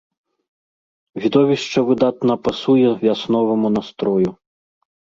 Відовішча выдатна пасуе вясноваму настрою.